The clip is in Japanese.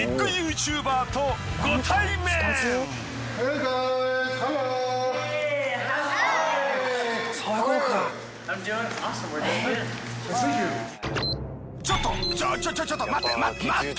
ちょっちょっちょっと待って待って！